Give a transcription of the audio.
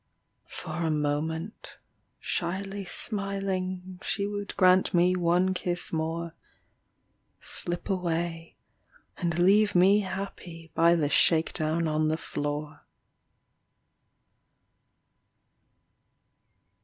For a moment shyly smiling, She would grant me one kiss more Slip away and leave me happy By the shake down on the floor.